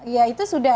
ya itu sudah